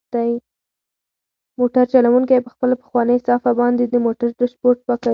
موټر چلونکی په خپله پخوانۍ صافه باندې د موټر ډشبورډ پاکوي.